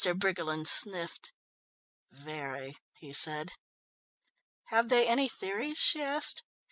Briggerland sniffed. "Very," he said. "Have they any theories?" she asked.